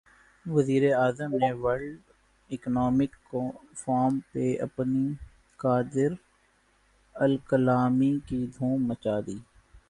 وزیر اعظم نے ورلڈ اکنامک فورم پہ اپنی قادرالکلامی کی دھوم مچا دی